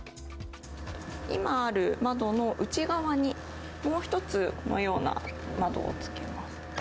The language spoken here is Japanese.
今ある窓の内側に、もう一つ、このような窓をつけます。